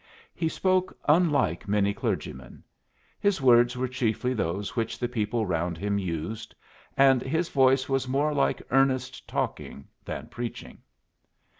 He spoke unlike many clergymen. His words were chiefly those which the people round him used, and his voice was more like earnest talking than preaching.